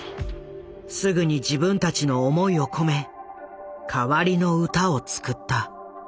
すぐに自分たちの思いを込め代わりの歌を作った。